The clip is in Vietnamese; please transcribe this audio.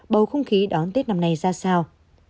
bầu không khí đón tết năm nay ra sao